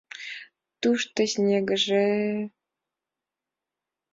Тушто снегыже-е!..